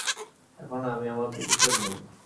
এখন আমি আমার প্রতিশোধ নেবো।